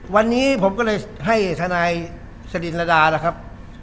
วันนี้ผมก็เลยให้ทนายสดินรดาล่ะครับ